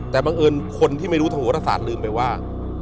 แต่บังเอิญคนที่ไม่รู้ทางโหรศาสตร์ลืมไปว่า